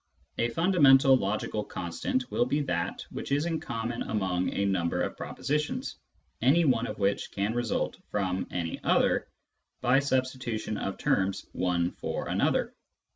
[ A fundamental logical constant will be that which is in common among a number of propositions, any one of which can result from any other by substitution of terms one for another.